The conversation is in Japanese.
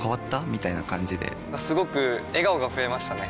みたいな感じですごく笑顔が増えましたね！